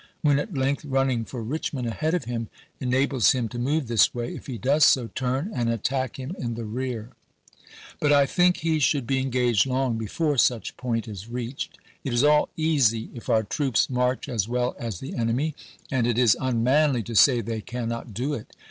When at length running for Richmond ahead of him enables him to move this way, if he does so, turn and attack him in the rear. 184 ABEAHAM LINCOLN Chap. IX. But I tbink he should be engaged long before such point is reached. It is all easy if our troops march as well as ^ jj the enemy, and it is unmanly to say they cannot do it.